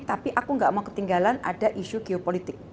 tapi aku gak mau ketinggalan ada isu geopolitik